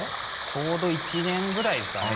ちょうど１年ぐらいですかね。